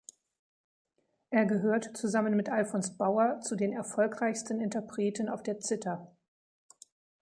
Er gehört zusammen mit Alfons Bauer zu den erfolgreichsten Interpreten auf der Zither.